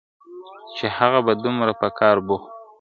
چې هغه به دومره په کار بوخت و